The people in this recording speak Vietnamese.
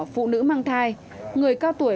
phụ nữ mang thai người cao tuổi